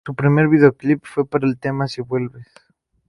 Su primer videoclip fue para el tema "Si Vuelves".